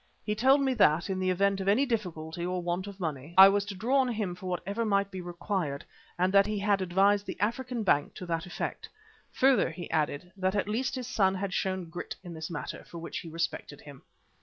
He told me that, in the event of any difficulty or want of money, I was to draw on him for whatever might be required, and that he had advised the African Bank to that effect. Further, he added, that at least his son had shown grit in this matter, for which he respected him.